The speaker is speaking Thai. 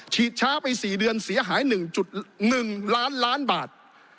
ฉีดช้าไป๔เดือนเสียหาย๑๑ล้านล้านบาท